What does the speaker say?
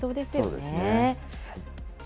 そうですね。